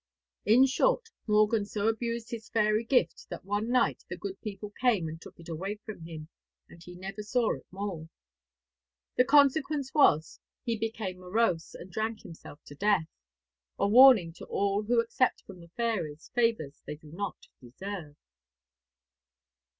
In short, Morgan so abused his fairy gift that one night the good people came and took it away from him, and he never saw it more. The consequence was he became morose, and drank himself to death a warning to all who accept from the fairies favours they do not deserve.